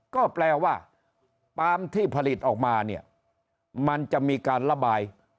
ก็แปลว่าปาล์มที่ผลิตออกมาเนี่ยมันจะมีการระบาย